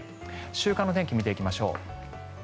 週間の天気を見ていきましょう。